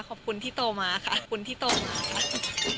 ขอบคุณที่โตมาค่ะคุณที่โตมาค่ะ